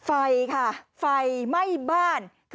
ไฟค่ะไฟไหม้บ้าน